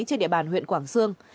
trên địa bàn huyện quảng sương